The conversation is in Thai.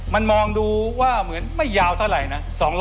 มันมองดูว่าเหมือนไม่ยาวเท่าไหร่นะ